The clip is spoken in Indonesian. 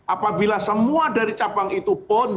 apabila semua dari cabang itu pun